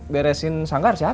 beresin sanggar siapa ya